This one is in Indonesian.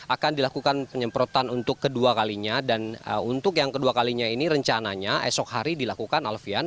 akan dilakukan penyemprotan untuk kedua kalinya dan untuk yang kedua kalinya ini rencananya esok hari dilakukan alfian